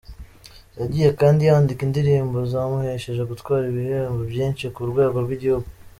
Yagiye kandi yandika indirimbo zamuhesheje gutwara ibihembo byinshi ku rwego rw’igihugu.